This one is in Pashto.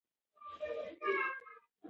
دا د توکي اهميت ښيي.